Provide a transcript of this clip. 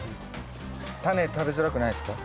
タネ食べづらくないですか？